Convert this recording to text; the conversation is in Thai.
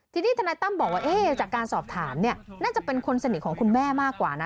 ทีนี้ทนายตั้มบอกว่าจากการสอบถามน่าจะเป็นคนสนิทของคุณแม่มากกว่านะ